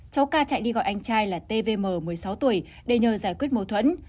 cháu k chạy đi gọi anh trai là t vm một mươi sáu tuổi để nhờ giải quyết mâu thuẫn